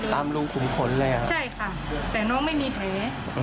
ตามรูขุมขนเลยอ่ะใช่ค่ะแต่น้องไม่มีแผล